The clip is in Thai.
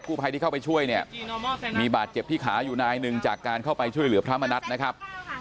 ผู้ภัยที่เข้าไปช่วยเนี่ยมีบาดเจ็บที่ขาอยู่นายหนึ่งจากการเข้าไปช่วยเหลือพระมณัฐนะครับ